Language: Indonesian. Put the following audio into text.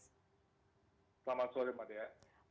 selamat sore mbak dea